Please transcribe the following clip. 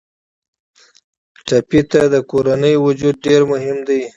ټپي ته د کورنۍ وجود ډېر مهم دی.